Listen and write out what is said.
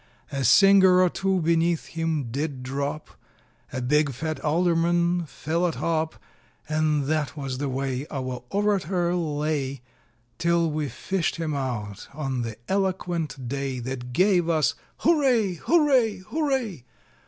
A singer or two beneath him did drop A big fat alderman fell atop; And that was the way Our orator lay, Till we fished him out, on the eloquent day, That gave us _Hurray! Hurray! Hurray!